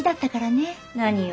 何よ。